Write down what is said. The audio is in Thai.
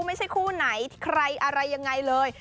ไม่ใช่คู่ไหนใครอะไรยังไงเลย